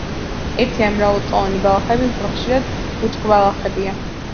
ერთი ან მრავალწლოვანი ბალახები, უფრო ხშირად ბუჩქბალახებია.